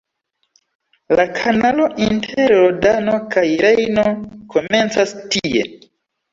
La kanalo inter Rodano kaj Rejno komencas tie.